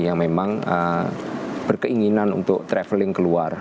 yang memang berkeinginan untuk traveling keluar